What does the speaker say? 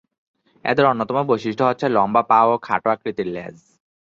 এদের অন্যতম বৈশিষ্ট্য হচ্ছে লম্বা পা ও খাটো আকৃতির লেজ।